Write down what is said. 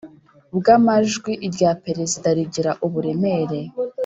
Bw amajwi irya perezida rigira uburemere